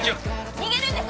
・逃げるんですか？